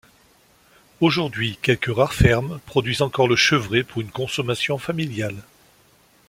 Aujourd'hui, quelques rares fermes produisent encore le chevret pour une consommation familiale.